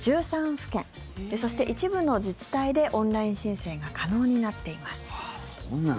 府県そして、一部の自治体でオンライン申請がそうなんだ。